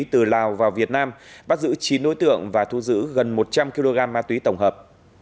từ lào vào việt nam bắt giữ chín đối tượng và thu giữ gần một trăm linh kg ma túy tổng hợp